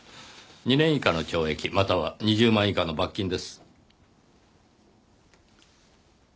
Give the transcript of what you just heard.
２年以下の懲役または２０万以下の罰金です。